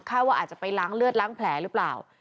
ว่าอาจจะไปล้างเลือดล้างแผลหรือเปล่า